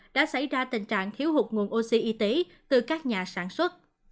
đã xảy ra tình trạng thiếu hụt nguồn oxy y tế từ các nhà sản xuất